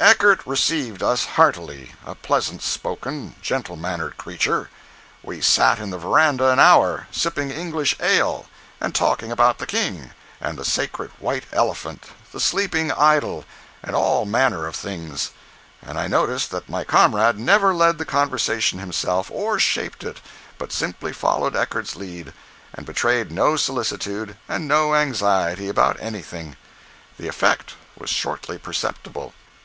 Eckert received us heartily—a pleasant spoken, gentle mannered creature. We sat in the veranda an hour, sipping English ale, and talking about the king, and the sacred white elephant, the Sleeping Idol, and all manner of things; and I noticed that my comrade never led the conversation himself or shaped it, but simply followed Eckert's lead, and betrayed no solicitude and no anxiety about anything. The effect was shortly perceptible.